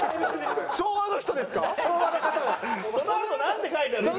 そのあとなんて書いてあるんですか？